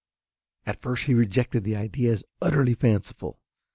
At first he rejected the idea as utterly fanciful.